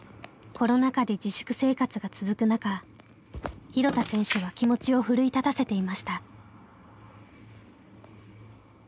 コロナ禍で自粛生活が続く中廣田選手は気持ちを奮い立たせていました。